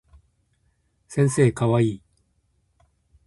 先生かわいい